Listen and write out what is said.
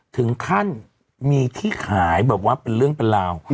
ถึงขั้นมีที่ขายแบบว่าเป็นเรื่องเป็นราว